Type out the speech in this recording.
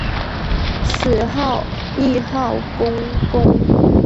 死后谥号恭公。